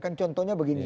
kan contohnya begini